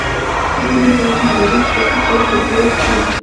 دا لوبې به د هراري سپورټس کلب په لوبغالي کې کېږي.